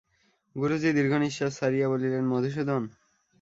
গুরুজি দীর্ঘনিশ্বাস ছাড়িয়া বলিলেন, মধুসূদন!